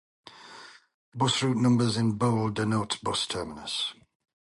Bus route numbers in bold denotes bus terminus.